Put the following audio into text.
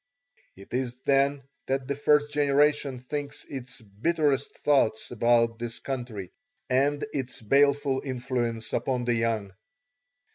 It is then that the first generation thinks its bitterest thoughts about this country and its baleful influence upon the young.